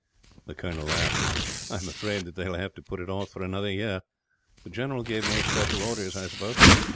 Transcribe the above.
The colonel laughed. "I am afraid that they will have to put it off for another year. The general gave no special orders, I suppose?"